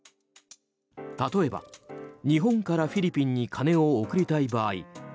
例えば、日本からフィリピンに金を送りたい場合